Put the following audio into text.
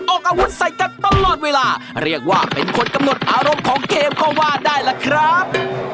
ออกอาวุธใส่กันตลอดเวลาเรียกว่าเป็นคนกำหนดอารมณ์ของเกมก็ว่าได้ล่ะครับ